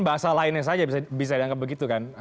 bahasa lainnya saja bisa dianggap begitu kan